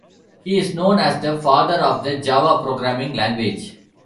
He is known as the father of the Java programming language.